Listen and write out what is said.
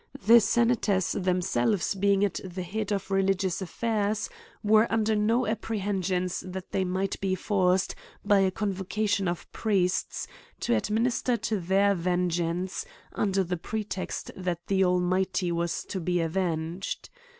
The senators themselves being at the head of religious affairs, were under no apprehensions that they might be forced by a convocation of priests to administef to their vengeance, under the pretext that the Al mighty was to be avenged.